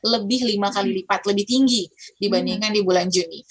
lebih lima kali lipat lebih tinggi dibandingkan di bulan juni